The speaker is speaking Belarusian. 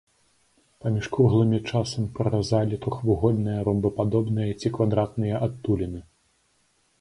Паміж круглымі часам праразалі трохвугольныя, ромбападобныя ці квадратныя адтуліны.